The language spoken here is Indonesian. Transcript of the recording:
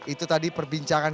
itu tadi perbincangan